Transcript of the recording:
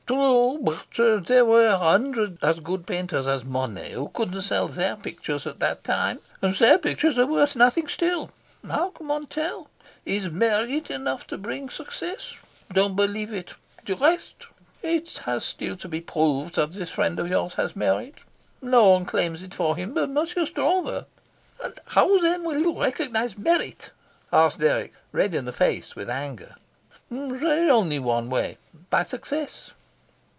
"True. But there were a hundred as good painters as Monet who couldn't sell their pictures at that time, and their pictures are worth nothing still. How can one tell? Is merit enough to bring success? Don't believe it. , it has still to be proved that this friend of yours has merit. No one claims it for him but Monsieur Stroeve." "And how, then, will you recognise merit?" asked Dirk, red in the face with anger. "There is only one way by success."